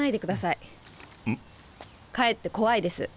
かえって怖いです。